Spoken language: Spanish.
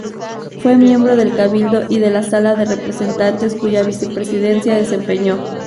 Fue miembro del Cabildo y de la Sala de Representantes, cuya vicepresidencia desempeñó.